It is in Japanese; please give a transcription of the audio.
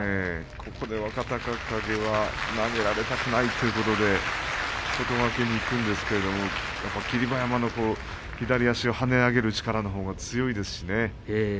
ここで若隆景は投げられたくないということで外掛けにくるんですけれども霧馬山の左足を跳ね上げる力のほうが強いですしね。